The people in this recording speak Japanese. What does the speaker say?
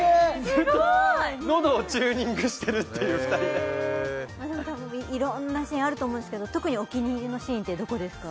すごーい喉をチューニングしてるっていう２人でまあでもたぶん色んなシーンあると思うんですけど特にお気に入りのシーンってどこですか？